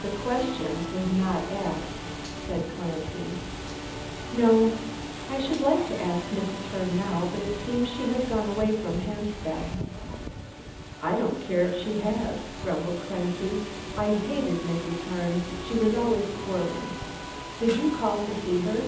"The question was not asked," said Clancy. "No. I should like to ask Mrs. Herne now, but it seems she has gone away from Hampstead." "I don't care if she has," grumbled Clancy, "I hated Mrs. Herne. She was always quarrelling. Did you call to see her?"